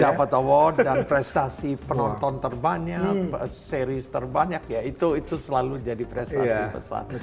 dapat award dan prestasi penonton terbanyak series terbanyak ya itu selalu jadi prestasi besar